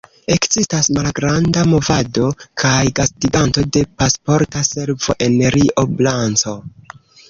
Ekzistas malgranda movado kaj gastiganto de Pasporta Servo en Rio Branco.